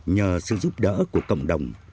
nhờ sự giúp đỡ của cộng đồng